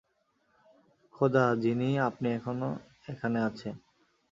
খোদা, জিনি, আপনি এখনো এখানে আছেন?